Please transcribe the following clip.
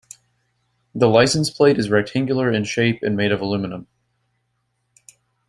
The license plate is rectangular in shape and made of aluminum.